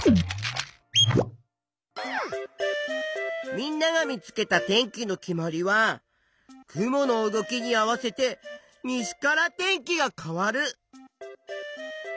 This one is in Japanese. みんなが見つけた天気の決まりは雲の動きに合わせて西から天気が変わる。